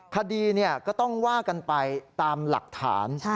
คดีก็ต้องว่ากันไปตามหลักฐาน